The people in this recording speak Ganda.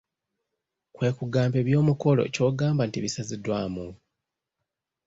Kwe kugamba eby'omukolo ky'ogamba nti bisaziddwamu?